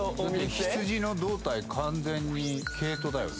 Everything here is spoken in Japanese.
ヒツジの胴体完全に毛糸だよね